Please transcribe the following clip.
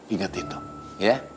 ingat itu ya